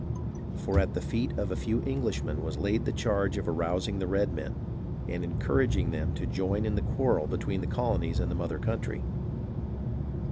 For at the feet of a few Englishmen was laid the charge of arousing the redmen, and encouraging them to join in the quarrel between the colonies and the mother country.